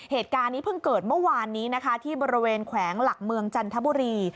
เหตุการณ์นี้เพิ่งเกิดเมื่อวานนี้นะคะที่บริเวณแขวงหลักเมืองจันทบุรี